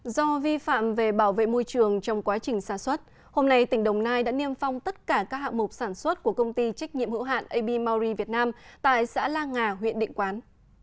do vi phạm về bảo vệ môi trường trong quá trình sản xuất hôm nay tỉnh đồng nai đã niêm phong tất cả các hạng mục sản xuất của công ty trách nhiệm hữu hạn ab mauri việt nam tại xã la nga huyện định quán